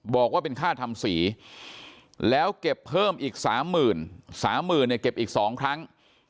บอกว่าเป็นค่าทำสีแล้วเก็บเพิ่มอีก๓๓๐๐๐เนี่ยเก็บอีก๒ครั้ง